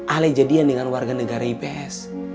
ale jadian dengan warga negara ips